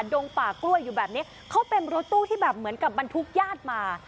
ดงป่ากล้วยอยู่แบบนี้เขาเป็นรถตู้ที่แบบเหมือนกับบรรทุกญาติมา